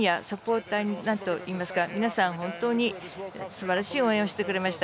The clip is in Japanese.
ファンやサポーター皆さん、本当にすばらしい応援をしてくれました。